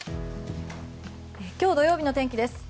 今日土曜日の天気です。